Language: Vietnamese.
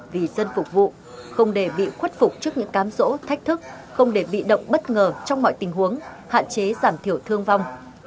vì dân phục vụ không để bị khuất phục trước những cám rỗ thách thức không để bị động bất ngờ trong mọi tình huống hạn chế giảm thiểu thương vong